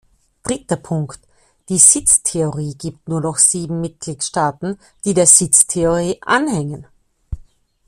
Dritter Punkt, die Sitztheoriegibt nur noch sieben Mitgliedstaaten, die der Sitztheorie anhängen.